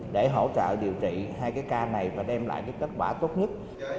để hỗ trợ điều trị hai cái ca này và đem lại cái kết quả tốt nhất